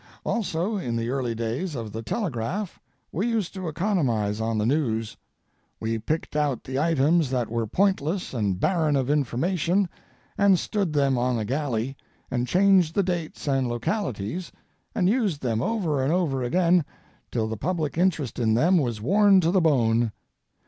Also, in the early days of the telegraph we used to economize on the news. We picked out the items that were pointless and barren of information and stood them on a galley, and changed the dates and localities, and used them over and over again till the public interest in them was worn to the bone.